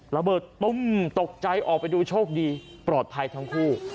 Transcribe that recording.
ระเบิดตุ้มตกใจออกไปดูโชคดีปลอดภัยทั้งคู่